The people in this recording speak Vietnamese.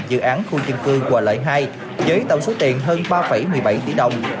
dự án khu dân cư quả lợi hai với tổng số tiền hơn ba một mươi bảy triệu đồng